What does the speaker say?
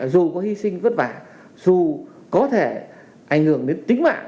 dù có hy sinh vất vả dù có thể ảnh hưởng đến tính mạng